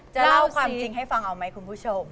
เล่าความจริงให้ฟังเอาไหมคุณผู้ชม